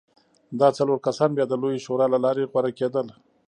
دا څلور کسان بیا د لویې شورا له لارې غوره کېدل.